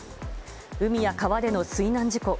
海や川での水難事故。